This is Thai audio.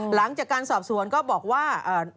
หลังจากการสอบสวนก็บอกว่า